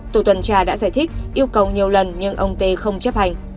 tổ tuần tra đã giải thích yêu cầu nhiều lần nhưng ông tê không chấp hành